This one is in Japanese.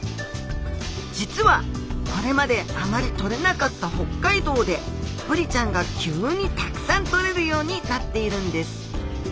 実はこれまであまりとれなかった北海道でブリちゃんが急にたくさんとれるようになっているんです。